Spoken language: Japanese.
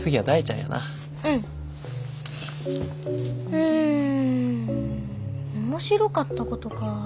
うん面白かったことかぁ。